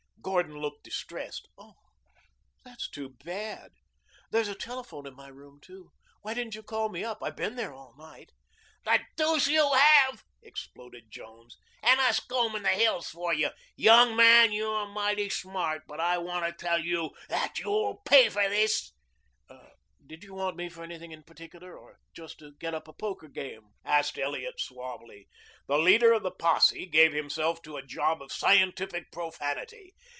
Gordon looked distressed. "That's too bad. There's a telephone in my room, too. Why didn't you call up? I've been there all night." "The deuce you have," exploded Jones. "And us combing the hills for you. Young man, you're mighty smart. But I want to tell you that you'll pay for this." "Did you want me for anything in particular or just to get up a poker game?" asked Elliot suavely. The leader of the posse gave himself to a job of scientific profanity.